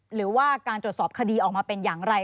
หรือว่าการตรวจสอบคดีออกมาเป็นอย่างไร